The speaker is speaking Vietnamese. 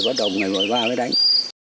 và đồng ngày một mươi ba mới đánh